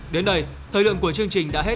đến đây thời lượng của chương trình đã hết